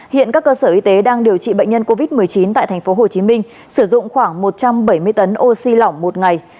hiện các cơ sở y tế đang điều trị bệnh nhân covid một mươi chín tại tp hcm sử dụng khoảng một trăm bảy mươi tấn oxy lỏng một ngày